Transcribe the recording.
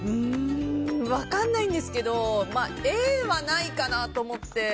分かんないんですけどＡはないかなと思って。